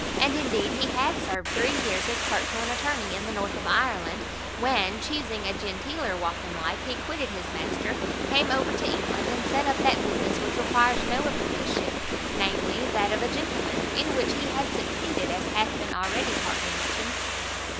(And indeed he had served three years as clerk to an attorney in the north of Ireland, when, chusing a genteeler walk in life, he quitted his master, came over to England, and set up that business which requires no apprenticeship, namely, that of a gentleman, in which he had succeeded, as hath been already partly mentioned.)